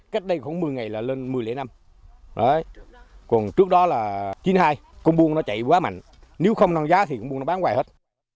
cách đây khoảng một mươi ngày là lên một mươi lễ năm còn trước đó là chín mươi hai công buôn nó chạy quá mạnh nếu không năng giá thì công buôn nó bán hoài hết